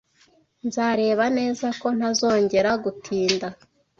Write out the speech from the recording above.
Nzareba neza ko ntazongera gutinda.